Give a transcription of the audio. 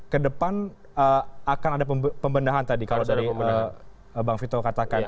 kedepan akan ada pembendahan tadi kalau dari bang vito katakan